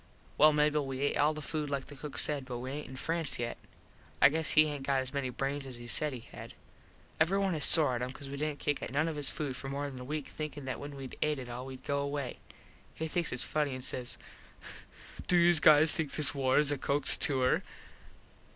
Well Mable, we et all the food like the cook said but we aint in France yet. I guess he aint got as many brains as he said he had. Everyone is sore at him cause we didnt kick at none of his food for more than a weak thinkin that when wed et it all wed go away. He thinks its funny an says "Do youse guys think this war is a Cooks tour?"